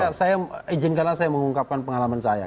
ya saya izinkanlah saya mengungkapkan pengalaman saya